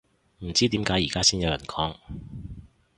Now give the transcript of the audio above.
唔知點解而家先有人講